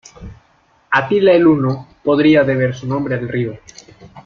Atila el Huno podría deber su nombre al río.